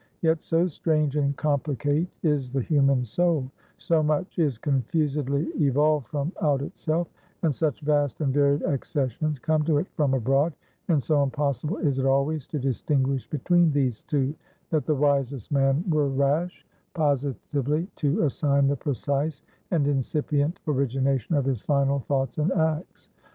Yet so strange and complicate is the human soul; so much is confusedly evolved from out itself, and such vast and varied accessions come to it from abroad, and so impossible is it always to distinguish between these two, that the wisest man were rash, positively to assign the precise and incipient origination of his final thoughts and acts.